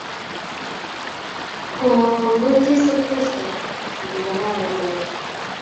Kongoi Jesu Kristo ikararan nea